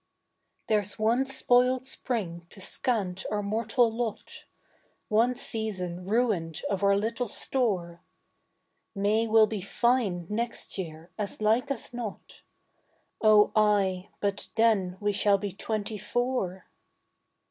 There's one spoilt spring to scant our mortal lot, One season ruined of our little store. May will be fine next year as like as not: Oh ay, but then we shall be twenty four.